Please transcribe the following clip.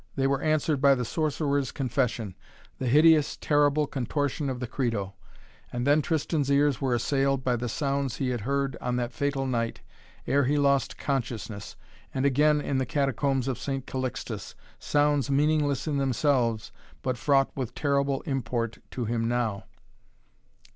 They were answered by the Sorcerer's Confession, the hideous, terrible contortion of the Credo, and then Tristan's ears were assailed by the sounds he had heard on that fatal night, ere he lost consciousness, and again in the Catacombs of St. Calixtus, sounds meaningless in themselves, but fraught with terrible import to him now!